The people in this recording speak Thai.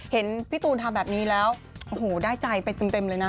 เห็นพี่ตูนทำแบบนี้แล้วโอ้โหได้ใจไปเต็มเลยนะ